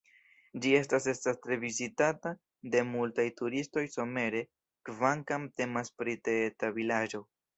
Ĝi estas tre vizitata de multaj turistoj somere, kvankam temas pri tre eta vilaĝo.